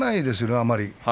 あんまり。